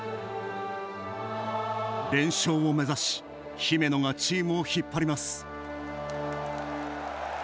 連勝を目指し姫野がチームを引っ張ります。